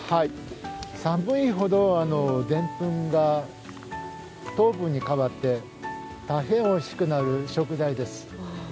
寒いほどでんぷんが糖分に変わって大変、おいしくなる食材です。